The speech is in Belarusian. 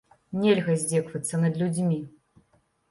Нельга здзекавацца над людзьмі.